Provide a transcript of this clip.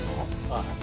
ああ。